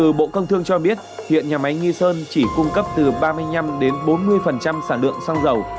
từ bộ công thương cho biết hiện nhà máy nghi sơn chỉ cung cấp từ ba mươi năm đến bốn mươi sản lượng xăng dầu